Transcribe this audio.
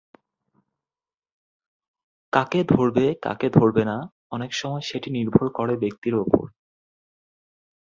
কাকে ধরবে, কাকে ধরবে না, অনেক সময় সেটি নির্ভর করে ব্যক্তির ওপর।